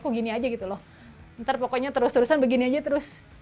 kok gini aja gitu loh ntar pokoknya terus terusan begini aja terus